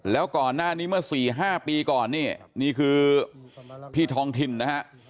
แล้วก่อนหน้านี้เมื่อ๔๕ปีก่อนนี่นี่คือพี่ทองถิ่นนะฮะ